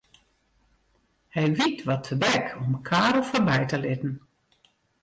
Hy wykt wat tebek om Karel foarby te litten.